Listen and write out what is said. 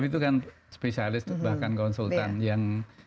itu kan spesialis bahkan konsultan yang